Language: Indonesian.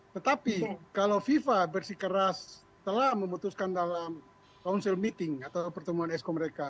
tetapi kalau viva bersikeras telah memutuskan dalam council meeting atau pertemuan esco mereka